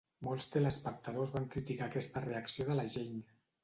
Molts teleespectadors van criticar aquesta reacció de la Jane.